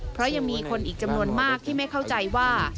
เพราะยังมีคนอีกจำนวนมากที่ไม่เข้าใจว่า